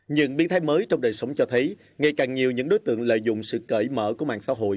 những biến thay mới trong đời sống cho thấy ngày càng nhiều những đối tượng lợi dụng sự cởi mở của mạng xã hội